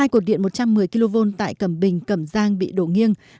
hai cột điện một trăm một mươi kv tại cẩm bình cầm giang bị đổ nghiêng